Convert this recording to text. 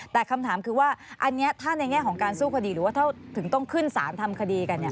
แต่คำถามคือว่าอันนี้ถ้าในแง่ของการสู้คดีหรือว่าถ้าถึงต้องขึ้นสารทำคดีกันเนี่ย